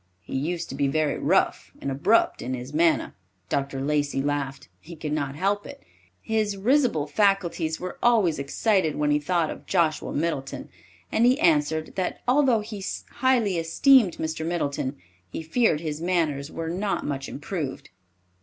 He used to be very rough and abrupt in his manner." Dr. Lacey laughed. He could not help it. His risible faculties were always excited when he thought of Joshua Middleton, and he answered, that although he highly esteemed Mr. Middleton, he feared his manners were not much improved.